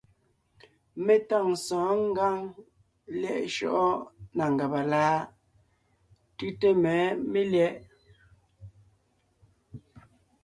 Mé tâŋ sɔ̌ɔn ngǎŋ lyɛ̌ʼ shyɔ́ʼɔ na ngàba láʼ? Tʉ́te mɛ̌ melyɛ̌ʼ.